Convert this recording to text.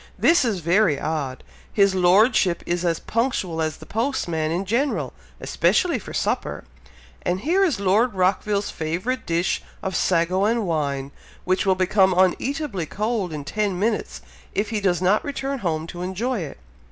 "This is very odd! His Lordship is as punctual as the postman in general! especially for supper; and here is Lord Rockville's favourite dish of sago and wine, which will become uneatably cold in ten minutes, if he does not return home to enjoy it!"